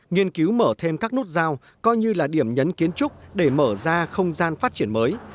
nghiên cứu mở thêm các nút giao coi như là điểm nhấn kiến trúc để mở ra không gian phát triển mới